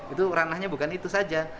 itu ranahnya bukan itu saja